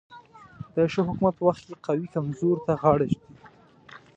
د ښه حکومت په وخت کې قوي کمزورو ته غاړه ږدي.